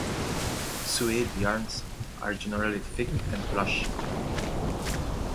"Suede" yarns are generally thick and plush.